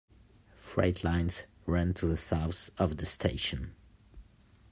Freight lines run to the south of the station.